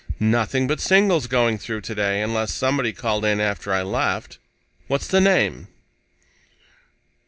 Nothing but singles going through today, unless somebody called in after I left. What's the name?"